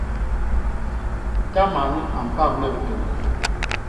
Ta man a mpak me bitôñ.